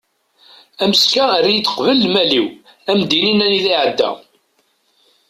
ameksa err-iyi-d qbel lmal-iw ad am-d-inin anida iεedda